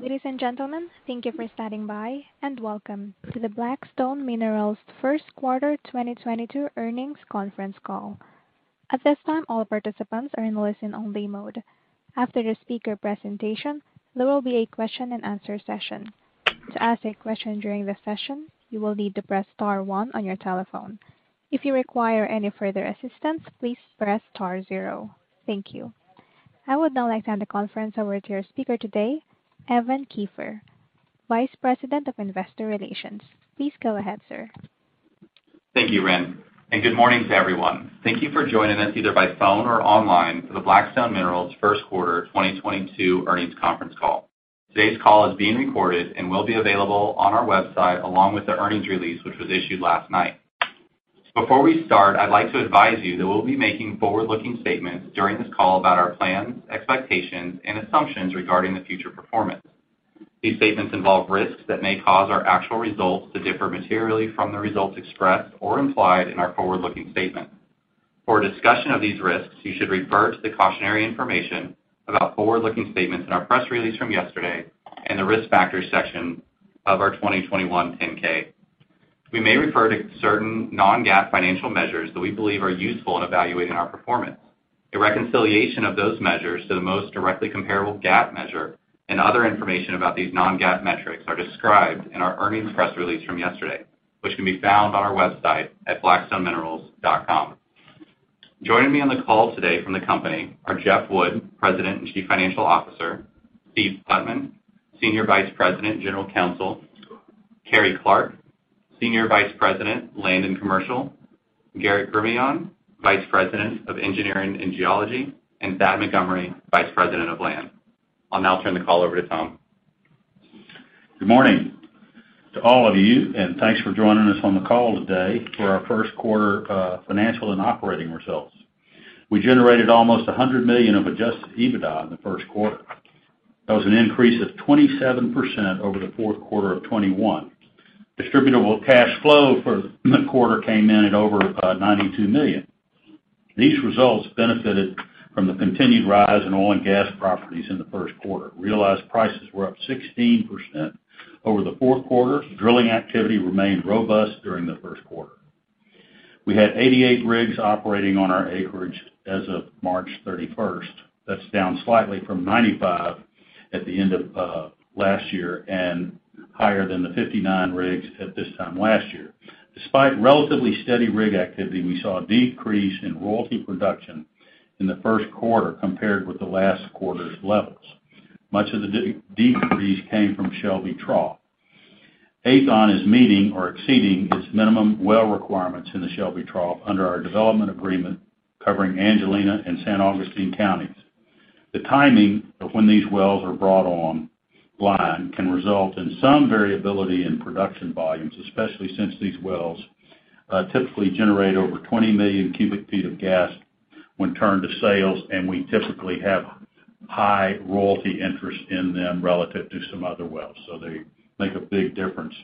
Ladies and gentlemen, thank you for standing by, and welcome to the Black Stone Minerals first quarter 2022 earnings conference call. At this time, all participants are in listen-only mode. After the speaker presentation, there will be a question and answer session. To ask a question during the session, you will need to press star one on your telephone. If you require any further assistance, please press star zero. Thank you. I would now like to hand the conference over to your speaker today, Evan Kiefer, Vice President of Investor Relations. Please go ahead, sir. Thank you, Wren, and good morning to everyone. Thank you for joining us, either by phone or online, for the Black Stone Minerals first quarter 2022 earnings conference call. Today's call is being recorded and will be available on our website along with the earnings release, which was issued last night. Before we start, I'd like to advise you that we'll be making forward-looking statements during this call about our plans, expectations, and assumptions regarding the future performance. These statements involve risks that may cause our actual results to differ materially from the results expressed or implied in our forward-looking statements. For a discussion of these risks, you should refer to the cautionary information about forward-looking statements in our press release from yesterday and the Risk Factors section of our 2021 10-K. We may refer to certain non-GAAP financial measures that we believe are useful in evaluating our performance. A reconciliation of those measures to the most directly comparable GAAP measure and other information about these non-GAAP metrics are described in our earnings press release from yesterday, which can be found on our website at blackstoneminerals.com. Joining me on the call today from the company are Jeff Wood, President and Chief Financial Officer, Steve Putman, Senior Vice President and General Counsel, Carrie Clark, Senior Vice President, Land and Commercial, Garrett Gremillion, Vice President of Engineering and Geology, and Thad Montgomery, Vice President of Land. I'll now turn the call over to Tom. Good morning to all of you, and thanks for joining us on the call today for our first quarter, financial and operating results. We generated almost $100 million of adjusted EBITDA in the first quarter. That was an increase of 27% over the fourth quarter of 2021. Distributable cash flow for the quarter came in at over $92 million. These results benefited from the continued rise in oil and gas prices in the first quarter. Realized prices were up 16% over the fourth quarter. Drilling activity remained robust during the first quarter. We had 88 rigs operating on our acreage as of March 31st. That's down slightly from 95 at the end of last year and higher than the 59 rigs at this time last year. Despite relatively steady rig activity, we saw a decrease in royalty production in the first quarter compared with the last quarter's levels. Much of the decrease came from Shelby Trough. Aethon is meeting or exceeding its minimum well requirements in the Shelby Trough under our development agreement covering Angelina and San Augustine counties. The timing of when these wells are brought online can result in some variability in production volumes, especially since these wells typically generate over 20 million cubic feet of gas when turned to sales, and we typically have high royalty interest in them relative to some other wells, so they make a big difference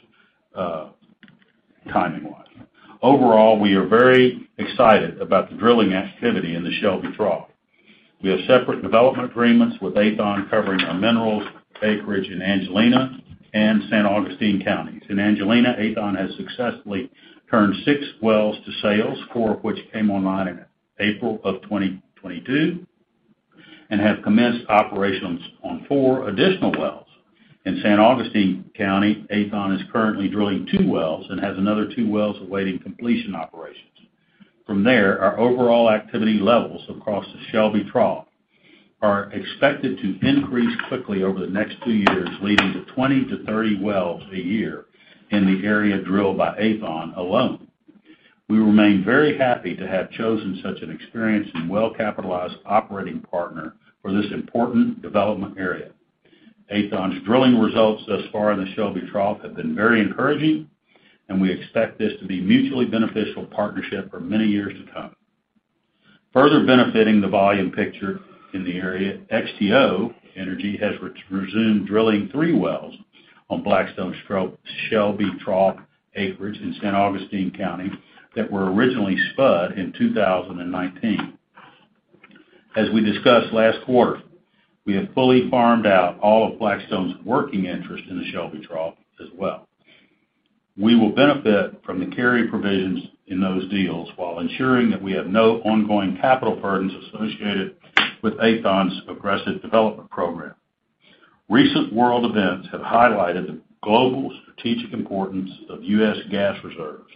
timing-wise. Overall, we are very excited about the drilling activity in the Shelby Trough. We have separate development agreements with Aethon covering our mineral acreage in Angelina and San Augustine counties. In Angelina, Aethon has successfully turned six wells to sales, four of which came online in April 2022, and have commenced operations on four additional wells. In San Augustine County, Aethon is currently drilling two wells and has another two wells awaiting completion operations. From there, our overall activity levels across the Shelby Trough are expected to increase quickly over the next two years, leading to 20-30 wells a year in the area drilled by Aethon alone. We remain very happy to have chosen such an experienced and well-capitalized operating partner for this important development area. Aethon's drilling results thus far in the Shelby Trough have been very encouraging, and we expect this to be a mutually beneficial partnership for many years to come. Further benefiting the volume picture in the area, XTO Energy has re-resumed drilling three wells on Black Stone Minerals' Shelby Trough acreage in San Augustine County that were originally spud in 2019. As we discussed last quarter, we have fully farmed out all of Black Stone Minerals' working interest in the Shelby Trough as well. We will benefit from the carry provisions in those deals while ensuring that we have no ongoing capital burdens associated with Aethon's aggressive development program. Recent world events have highlighted the global strategic importance of U.S. gas reserves,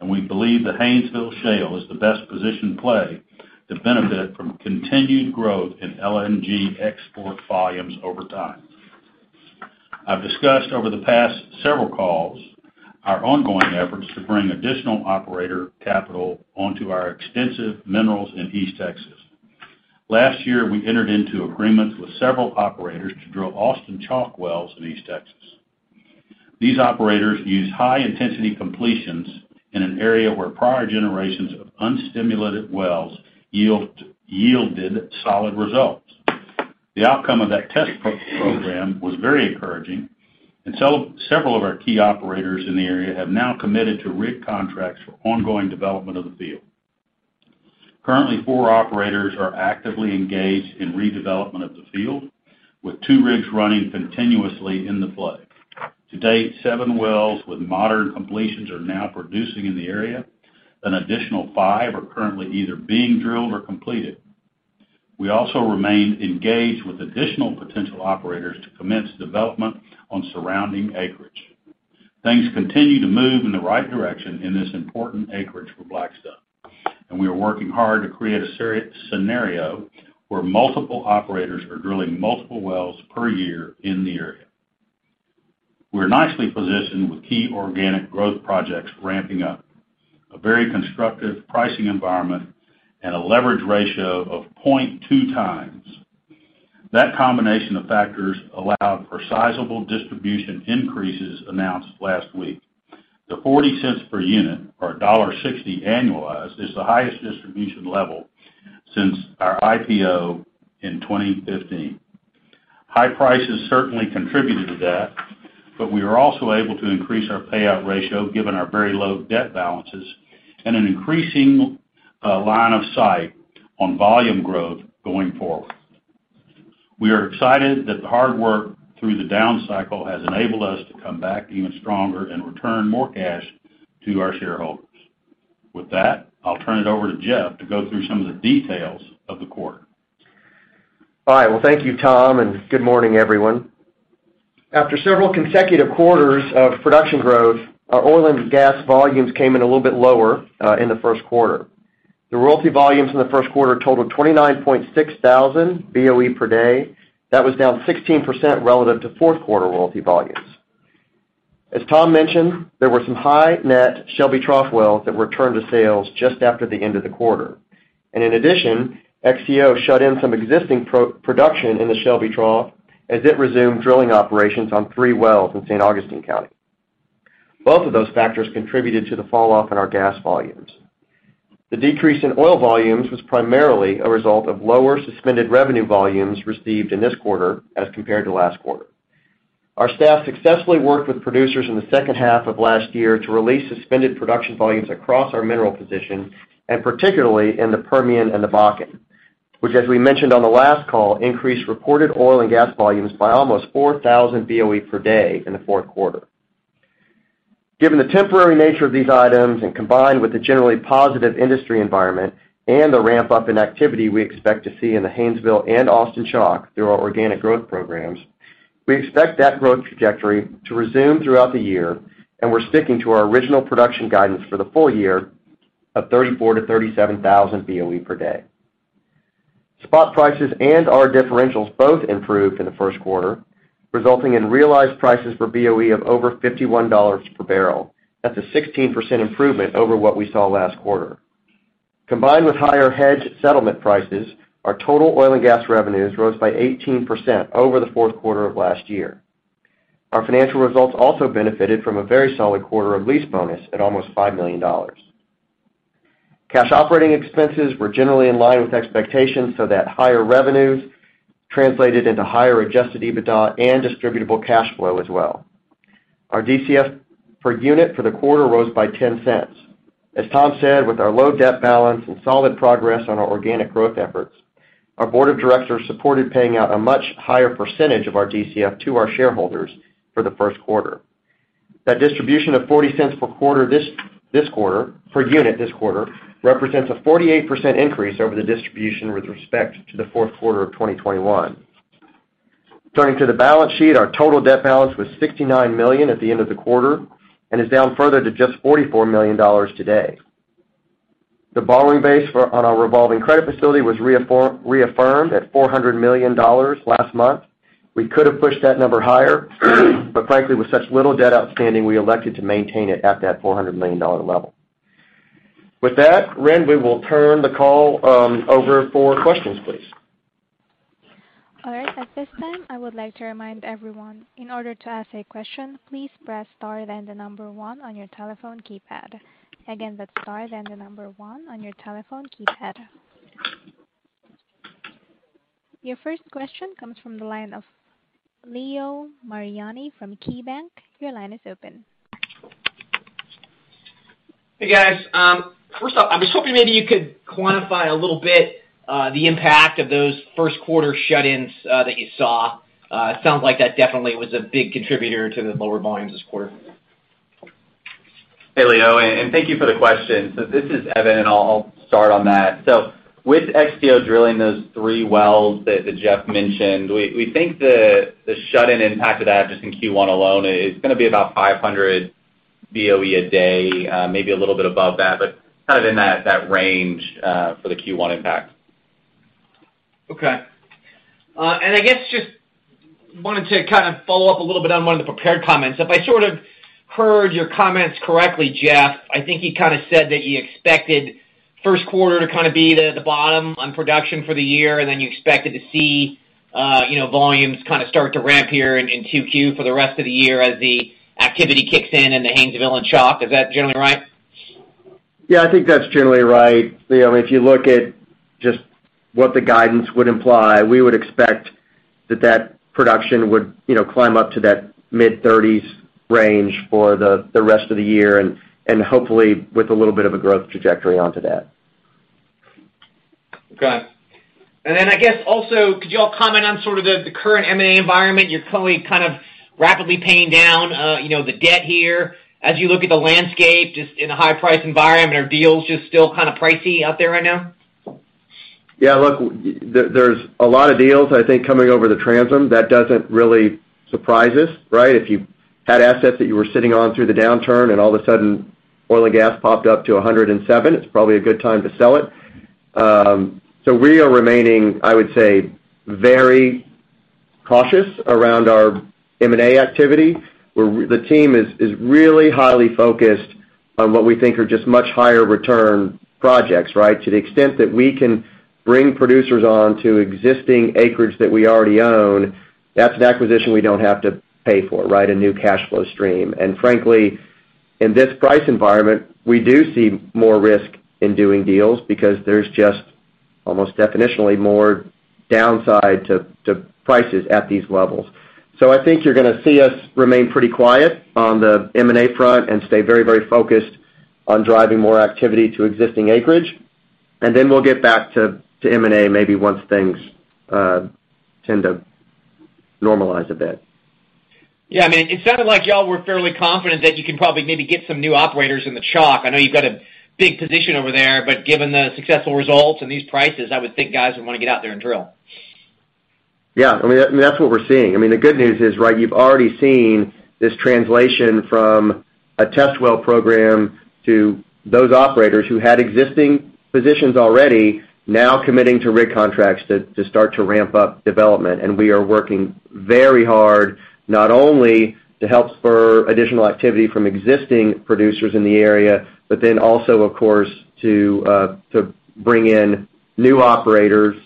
and we believe the Haynesville Shale is the best positioned play to benefit from continued growth in LNG export volumes over time. I've discussed over the past several calls our ongoing efforts to bring additional operator capital onto our extensive minerals in East Texas. Last year, we entered into agreements with several operators to drill Austin Chalk wells in East Texas. These operators use high-intensity completions in an area where prior generations of unstimulated wells yielded solid results. The outcome of that test program was very encouraging, and several of our key operators in the area have now committed to rig contracts for ongoing development of the field. Currently, four operators are actively engaged in redevelopment of the field, with two rigs running continuously in the play. To date, seven wells with modern completions are now producing in the area. An additional five are currently either being drilled or completed. We also remain engaged with additional potential operators to commence development on surrounding acreage. Things continue to move in the right direction in this important acreage for Black Stone Minerals, and we are working hard to create a scenario where multiple operators are drilling multiple wells per year in the area. We're nicely positioned with key organic growth projects ramping up, a very constructive pricing environment, and a leverage ratio of 0.2x. That combination of factors allowed for sizable distribution increases announced last week. The $0.40 per unit, or $1.60 annualized, is the highest distribution level since our IPO in 2015. High prices certainly contributed to that, but we were also able to increase our payout ratio given our very low debt balances and an increasing line of sight on volume growth going forward. We are excited that the hard work through the down cycle has enabled us to come back even stronger and return more cash to our shareholders. With that, I'll turn it over to Jeff to go through some of the details of the quarter. All right. Well, thank you, Tom, and good morning, everyone. After several consecutive quarters of production growth, our oil and gas volumes came in a little bit lower in the first quarter. The royalty volumes in the first quarter totaled 29.6 thousand BOE per day. That was down 16% relative to fourth quarter royalty volumes. As Tom mentioned, there were some high net Shelby Trough wells that were turned to sales just after the end of the quarter. In addition, XTO shut in some existing production in the Shelby Trough as it resumed drilling operations on three wells in San Augustine County. Both of those factors contributed to the fall off in our gas volumes. The decrease in oil volumes was primarily a result of lower suspended revenue volumes received in this quarter as compared to last quarter. Our staff successfully worked with producers in the second half of last year to release suspended production volumes across our mineral position and particularly in the Permian and the Bakken, which, as we mentioned on the last call, increased reported oil and gas volumes by almost 4,000 BOE per day in the fourth quarter. Given the temporary nature of these items and combined with the generally positive industry environment and the ramp-up in activity we expect to see in the Haynesville and Austin Chalk through our organic growth programs, we expect that growth trajectory to resume throughout the year, and we're sticking to our original production guidance for the full year of 34,000-37,000 BOE per day. Spot prices and our differentials both improved in the first quarter, resulting in realized prices for BOE of over $51 per barrel. That's a 16% improvement over what we saw last quarter. Combined with higher hedge settlement prices, our total oil and gas revenues rose by 18% over the fourth quarter of last year. Our financial results also benefited from a very solid quarter of lease bonus at almost $5 million. Cash operating expenses were generally in line with expectations so that higher revenues translated into higher adjusted EBITDA and distributable cash flow as well. Our DCF per unit for the quarter rose by $0.10. As Tom said, with our low debt balance and solid progress on our organic growth efforts, our board of directors supported paying out a much higher percentage of our DCF to our shareholders for the first quarter. That distribution of $0.40 per quarter this quarter per unit this quarter represents a 48% increase over the distribution with respect to the fourth quarter of 2021. Turning to the balance sheet, our total debt balance was $69 million at the end of the quarter and is down further to just $44 million today. The borrowing base on our revolving credit facility was reaffirmed at $400 million last month. We could have pushed that number higher, but frankly, with such little debt outstanding, we elected to maintain it at that $400 million level. With that, Wren, we will turn the call over for questions please. All right. At this time, I would like to remind everyone, in order to ask a question, please press star, then the number one on your telephone keypad. Again, that's star, then the number one on your telephone keypad. Your first question comes from the line of Leo Mariani from KeyBanc. Your line is open. Hey, guys. First off, I'm just hoping maybe you could quantify a little bit, the impact of those first quarter shut-ins, that you saw. It sounds like that definitely was a big contributor to the lower volumes this quarter. Hey, Leo, thank you for the question. This is Evan, and I'll start on that. With XTO drilling those three wells that Jeff mentioned, we think the shut-in impact of that just in Q1 alone is gonna be about 500 BOE a day, maybe a little bit above that, but kind of in that range for the Q1 impact. Okay. I guess just wanted to kind of follow up a little bit on one of the prepared comments. If I sort of heard your comments correctly, Jeff, I think you kind of said that you expected first quarter to kinda be the bottom on production for the year, and then you expected to see volumes kinda start to ramp here in 2Q for the rest of the year as the activity kicks in the Haynesville and Chalk. Is that generally right? Yeah, I think that's generally right. You know, if you look at just what the guidance would imply, we would expect that production would, you know, climb up to that mid-30s range for the rest of the year and hopefully with a little bit of a growth trajectory onto that. Okay. I guess also, could you all comment on sort of the current M&A environment? You're currently kind of rapidly paying down, you know, the debt here. As you look at the landscape, just in a high price environment, are deals just still kind of pricey out there right now? Yeah. Look, there's a lot of deals, I think, coming over the transom. That doesn't really surprise us, right? If you had assets that you were sitting on through the downturn, and all of a sudden oil and gas popped up to $107, it's probably a good time to sell it. We are remaining, I would say, very cautious around our M&A activity. The team is really highly focused on what we think are just much higher return projects, right? To the extent that we can bring producers on to existing acreage that we already own, that's an acquisition we don't have to pay for, right? A new cash flow stream. Frankly, in this price environment, we do see more risk in doing deals because there's just, almost definitionally, more downside to prices at these levels. I think you're gonna see us remain pretty quiet on the M&A front and stay very, very focused on driving more activity to existing acreage. Then we'll get back to M&A maybe once things tend to normalize a bit. Yeah. I mean, it sounded like y'all were fairly confident that you can probably maybe get somenew operators in the Chalk. I know you've got a big position over there, but given the successful results and these prices, I would think guys would wanna get out there and drill. Yeah. I mean, that's what we're seeing. I mean, the good news is, right, you've already seen this translation from a test well program to those operators who had existing positions already now committing to rig contracts to start to ramp up development. We are working very hard not only to help spur additional activity from existing producers in the area, but then also, of course, to bring in new operators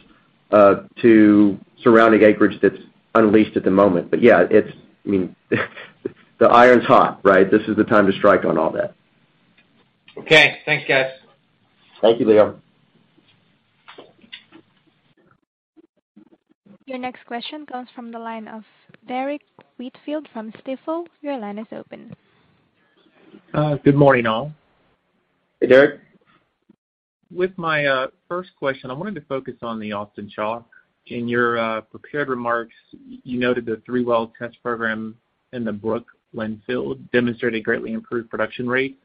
to surrounding acreage that's unleased at the moment. Yeah, it's. I mean, the iron's hot, right? This is the time to strike on all that. Okay. Thanks, guys. Thank you, Leo Mariani. Your next question comes from the line of Derrick Whitfield from Stifel. Your line is open. Good morning, all. Hey, Derrick. With my first question, I wanted to focus on the Austin Chalk. In your prepared remarks, you noted the three well test program in the Brookeland Field demonstrated a greatly improved production rate.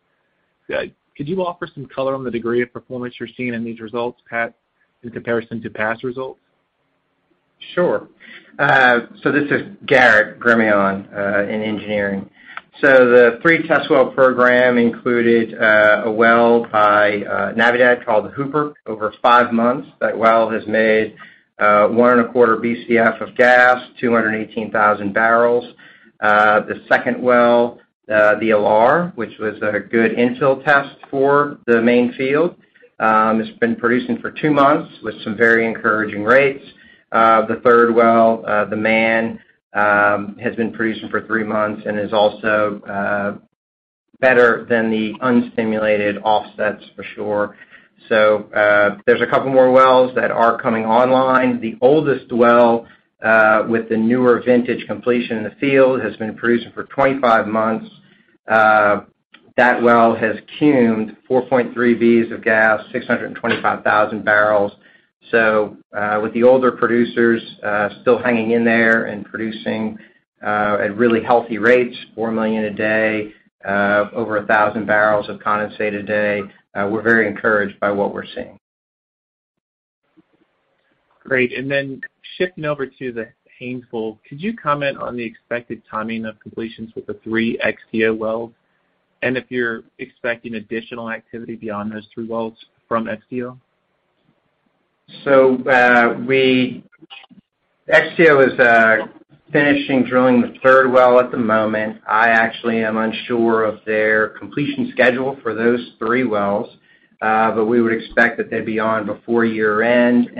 Could you offer some color on the degree of performance you're seeing in these results, Pat, in comparison to past results? Sure. This is Garrett Gremillion in engineering. The three test well program included a well by Navidad called the Hooper. Over five months, that well has made 1.25 Bcf of gas, 218,000 barrels. The second well, the LR, which was a good infill test for the main field, it's been producing for two months with some very encouraging rates. The third well, the Man, has been producing for three and is also better than the unstimulated offsets for sure. There's a couple more wells that are coming online. The oldest well with the newer vintage completion in the field has been producing for 25 months. That well has cum 4.3 Bcf of gas, 625,000 barrels. With the older producers still hanging in there and producing at really healthy rates, 4 million a day, over 1,000 barrels of condensate a day, we're very encouraged by what we're seeing. Great. Shifting over to the Haynesville, could you comment on the expected timing of completions with the three XTO wells? If you're expecting additional activity beyond those three wells from XTO? XTO is finishing drilling the third well at the moment. I actually am unsure of their completion schedule for those three wells. We would expect that they'd be on before year-end.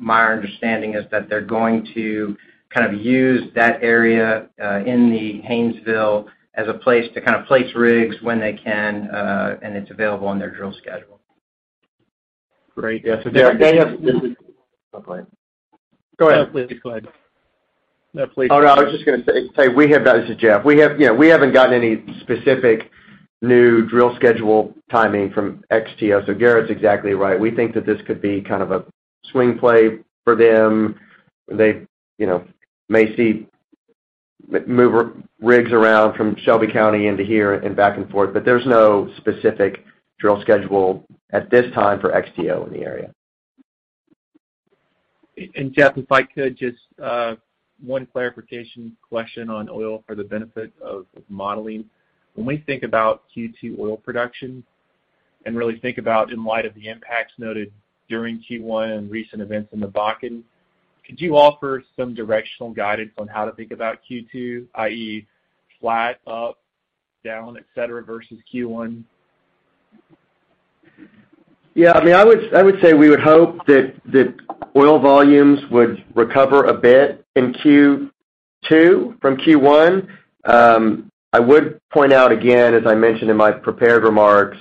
My understanding is that they're going to kind of use that area in the Haynesville as a place to kind of place rigs when they can and it's available on their drill schedule. Great. Derrick, can I just- Go ahead. No, please go ahead. No, please. Oh, no, I was just gonna say we have. This is Jeff. We have, you know, we haven't gotten any specific new drill schedule timing from XTO. Garrett's exactly right. We think that this could be kind of a swing play for them. They, you know, may move rigs around from Shelby County into here and back and forth. There's no specific drill schedule at this time for XTO in the area. Jeff, if I could just one clarification question on oil for the benefit of modeling. When we think about Q2 oil production and really think about in light of the impacts noted during Q1 and recent events in the Bakken, could you offer some directional guidance on how to think about Q2, i.e., flat, up, down, et cetera, versus Q1? Yeah. I mean, I would say we would hope that oil volumes would recover a bit in Q2 from Q1. I would point out again, as I mentioned in my prepared remarks,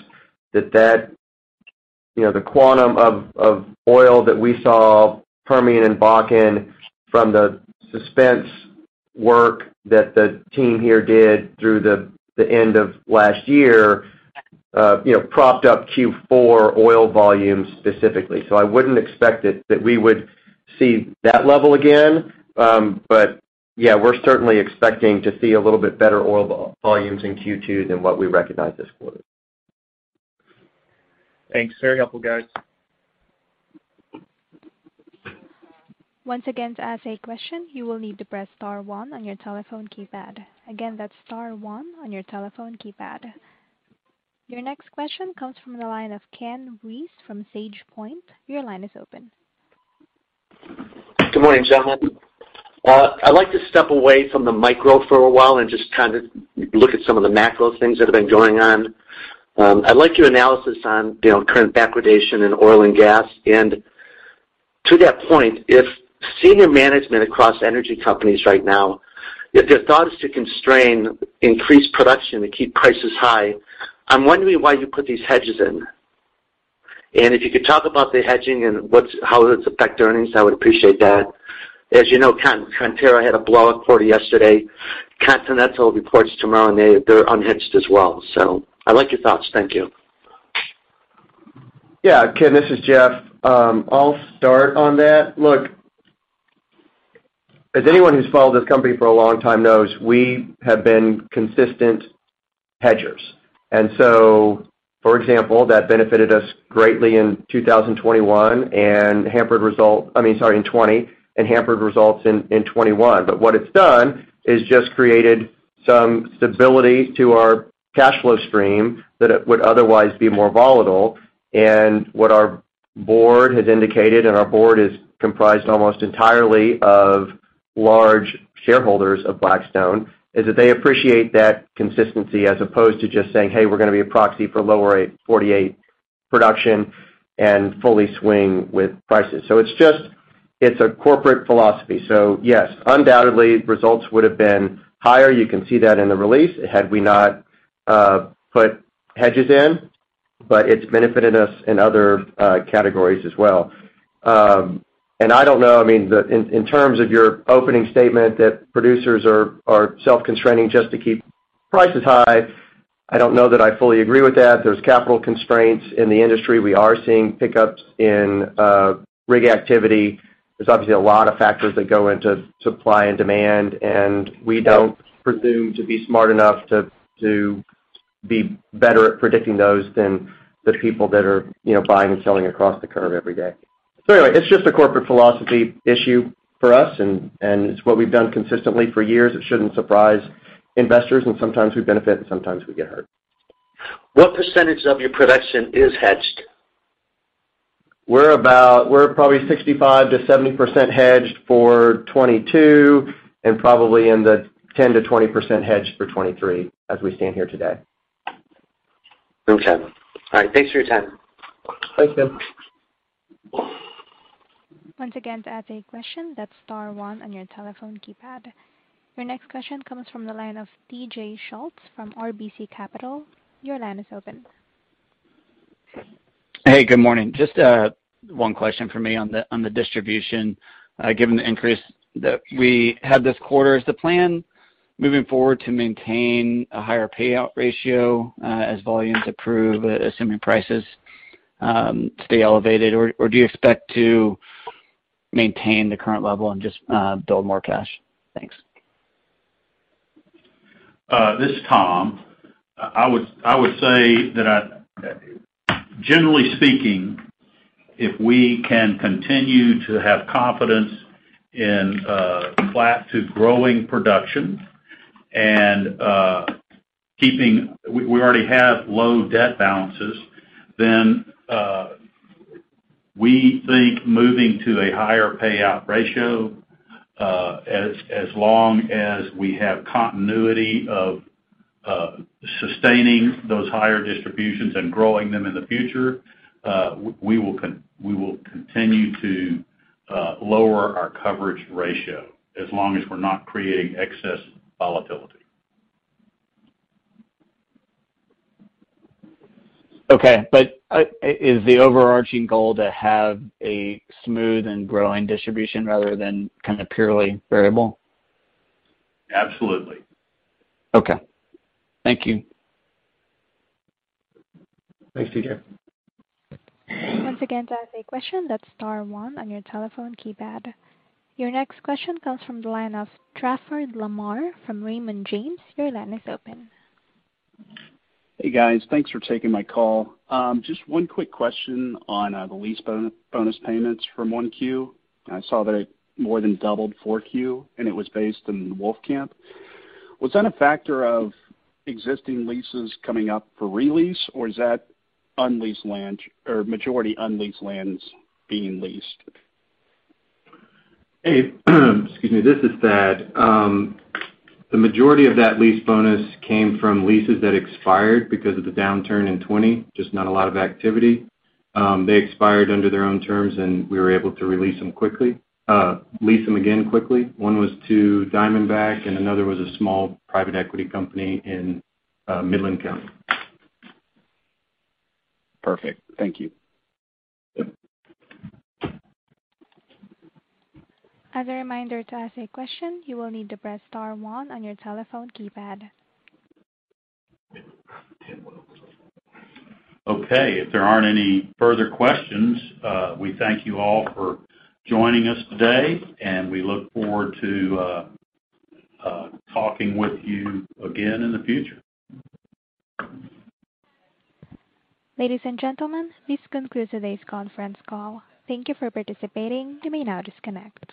that you know, the quantum of oil that we saw in Permian and Bakken from the suspense work that the team here did through the end of last year propped up Q4 oil volumes specifically. I wouldn't expect that we would see that level again. But yeah, we're certainly expecting to see a little bit better oil volumes in Q2 than what we recognized this quarter. Thanks. Very helpful, guys. Once again, to ask a question, you will need to press star one on your telephone keypad. Again, that's star one on your telephone keypad. Your next question comes from the line of Ken Reese from SagePoint. Your line is open. Good morning, gentlemen. I'd like to step away from the micro for a while and just kind of look at some of the macro things that have been going on. I liked your analysis on, you know, current backwardation in oil and gas. To that point, if senior management across energy companies right now, if their thought is to constrain increased production to keep prices high, I'm wondering why you put these hedges in. If you could talk about the hedging and how it affects earnings, I would appreciate that. As you know, Coterra had a blowout quarter yesterday. Continental reports tomorrow, and they're unhedged as well. I'd like your thoughts. Thank you. Yeah. Ken, this is Jeff. I'll start on that. Look, as anyone who's followed this company for a long time knows, we have been consistent hedgers. For example, that benefited us greatly in 2021 and hampered results in 2020, and hampered results in 2021. What it's done is just created some stability to our cash flow stream that would otherwise be more volatile. What our board has indicated, and our board is comprised almost entirely of large shareholders of Black Stone Minerals, is that they appreciate that consistency as opposed to just saying, "Hey, we're gonna be a proxy for Lower 48 production and fully swing with prices." It's just a corporate philosophy. Yes, undoubtedly results would have been higher. You can see that in the release, had we not put hedges in, but it's benefited us in other categories as well. I don't know. I mean, in terms of your opening statement that producers are self-constraining just to keep prices high, I don't know that I fully agree with that. There's capital constraints in the industry. We are seeing pickups in rig activity. There's obviously a lot of factors that go into supply and demand, and we don't presume to be smart enough to be better at predicting those than the people that are, you know, buying and selling across the curve every day. Anyway, it's just a corporate philosophy issue for us and it's what we've done consistently for years. It shouldn't surprise investors, and sometimes we benefit and sometimes we get hurt. What percentage of your production is hedged? We're probably 65%-70% hedged for 2022 and probably in the 10%-20% hedged for 2023 as we stand here today. Okay. All right. Thanks for your time. Thanks, Ken. Once again, to ask a question, that's star one on your telephone keypad. Your next question comes from the line of TJ Schultz from RBC Capital. Your line is open. Hey, good morning. Just one question from me on the distribution. Given the increase that we had this quarter, is the plan moving forward to maintain a higher payout ratio as volumes improve, assuming prices stay elevated? Or do you expect to maintain the current level and just build more cash? Thanks. This is Tom. I would say that generally speaking, if we can continue to have confidence in flat to growing production and we already have low debt balances, then we think moving to a higher payout ratio as long as we have continuity of sustaining those higher distributions and growing them in the future, we will continue to lower our coverage ratio as long as we're not creating excess volatility. Okay. Is the overarching goal to have a smooth and growing distribution rather than kind of purely variable? Absolutely. Okay. Thank you. Thanks, TJ. Once again, to ask a question, that's star one on your telephone keypad. Your next question comes from the line of Trafford Lamar from Raymond James. Your line is open. Hey, guys. Thanks for taking my call. Just one quick question on the lease bonus payments from 1Q. I saw that it more than doubled 4Q, and it was based in Wolfcamp. Was that a factor of existing leases coming up for re-lease, or is that unleased land or majority unleased lands being leased? Hey. Excuse me. This is Thad. The majority of that lease bonus came from leases that expired because of the downturn in 2020, just not a lot of activity. They expired under their own terms, and we were able to lease them again quickly. One was to Diamondback, and another was a small private equity company in Midland County. Perfect. Thank you. As a reminder to ask a question, you will need to press star one on your telephone keypad. Okay. If there aren't any further questions, we thank you all for joining us today, and we look forward to talking with you again in the future. Ladies and gentlemen, this concludes today's conference call. Thank you for participating. You may now disconnect.